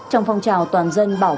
cũng trong sáng nay